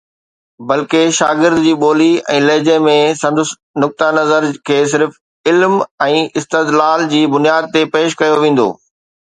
بلڪه، شاگرد جي ٻولي ۽ لهجي ۾، سندس نقطه نظر کي صرف علم ۽ استدلال جي بنياد تي پيش ڪيو ويندو